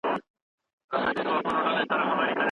ښاري ژوند د ترافیکو او ګڼې ګوڼې لامل کېږي.